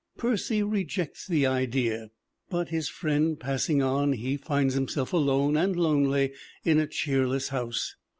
Percy rejects the idea, but his friend passing on he finds himself alone and lonely in a cheerless house.